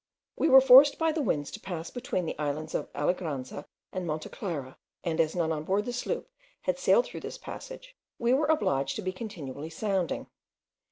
We were forced by the winds to pass between the islands of Alegranza and Montana Clara, and as none on board the sloop had sailed through this passage, we were obliged to be continually sounding.